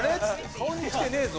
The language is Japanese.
「顔にきてねえぞ」